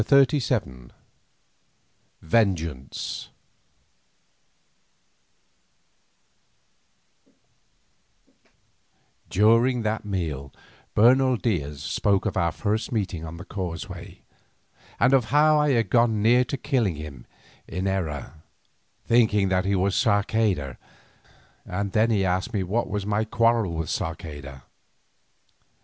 CHAPTER XXXVII VENGEANCE During that meal Bernal Diaz spoke of our first meeting on the causeway, and of how I had gone near to killing him in error, thinking that he was Sarceda, and then he asked me what was my quarrel with Sarceda.